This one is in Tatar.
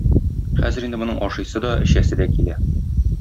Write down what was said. Хәзер инде моның ашыйсы да, эчәсе дә килә.